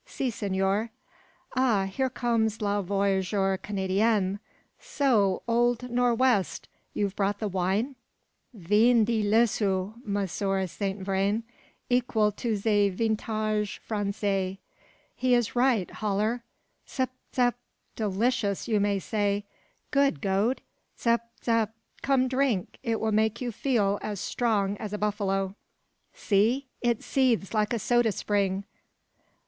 "Si, senor." "Ah! here comes le voyageur Canadien. So, old Nor' west! you've brought the wine?" "Vin delicieux, Monsieur Saint Vrain! equal to ze vintage Francais." "He is right, Haller! Tsap tsap! delicious you may say, good Gode. Tsap tsap! Come, drink! it'll make you feel as strong as a buffalo. See! it seethes like a soda spring!